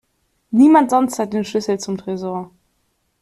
Niemand sonst hat den Schlüssel zum Tresor.